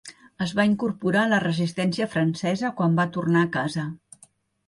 Es va incorporar a la resistència francesa quan va tornar a casa.